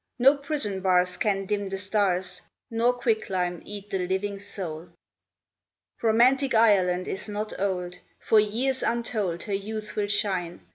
No prison bars can dim the stars Nor quicklime eat the living soul. Romantic Ireland is not old. For years untold her youth will shine.